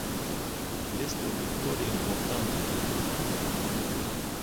Este o victorie importantă pentru noi.